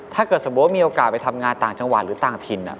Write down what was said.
ถ้าเกิดสมมุติมีโอกาสไปทำงานต่างจังหวัดหรือต่างถิ่น